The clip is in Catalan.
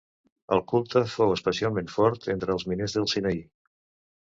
El culte fou especialment fort entre els miners del Sinaí.